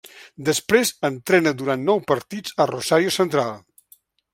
Després entrena durant nou partits a Rosario Central.